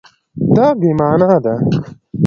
دا بې مانا ده